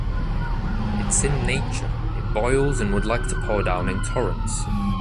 It’s in Nature, it boils and would like to pour down in torrents.